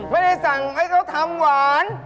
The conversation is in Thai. ไม่ได้สั่งให้เขาทำหวาน